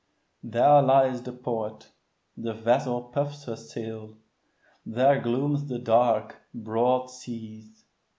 There lies the port; the vessel puffs her sail; There gloom the dark, broad seas.